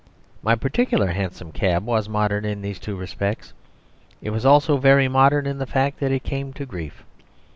My particular hansom cab was modern in these two respects; it was also very modern in the fact that it came to grief.